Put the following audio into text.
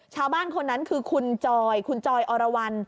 ชาวบ้านคนนั้นคือคุณจอยคุณจอยอรวรรณ